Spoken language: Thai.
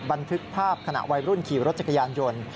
บันทึกภาพขณะวัยรุ่นขี่รถจักรยานยนต์